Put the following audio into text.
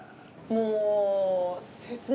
もう。